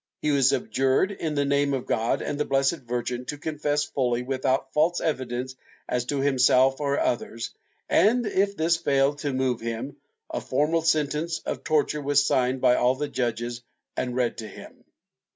He was adjured, in the name of God and the Blessed Virgin, to confess fully, without false evidence as to himself or others and, if this failed to move him, a formal sentence of torture was signed by all the judges and read to him.